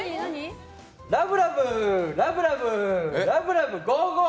ラブラブラブラブラブゴーゴー！